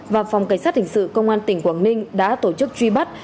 và phòng cảnh sát hình sự công an tỉnh quảng ninh đã tổ chức truy bắt